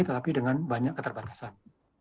tetapi dengan banyak keterbatasan